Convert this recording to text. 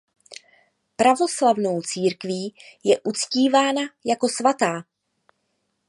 Pravoslavnou církví je uctívána jako svatá.